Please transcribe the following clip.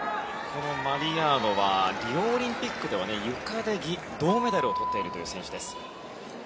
マリアーノはリオオリンピックではゆかで銅メダルをとっている選手です。